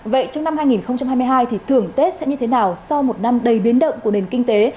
vậy trong năm hai nghìn hai mươi hai thì thưởng tết sẽ như thế nào sau một năm đầy biến động của nền kinh tế